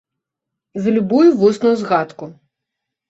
За любую вусную згадку!